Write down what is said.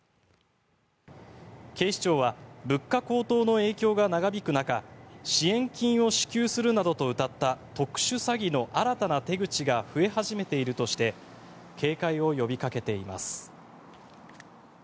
警視庁は物価高騰の影響が長引く中支援金を支給するなどとうたった特殊詐欺の新たな手口が増え始めているとして警戒を呼びかけています。